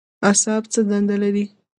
اعصاب څه دنده لري؟